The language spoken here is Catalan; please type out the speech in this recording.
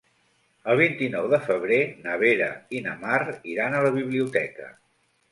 El vint-i-nou de febrer na Vera i na Mar iran a la biblioteca.